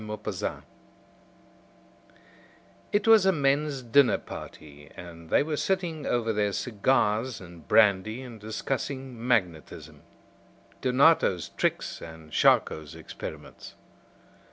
MAGNETISM It was a men's dinner party, and they were sitting over their cigars and brandy and discussing magnetism. Donato's tricks and Charcot's experiments.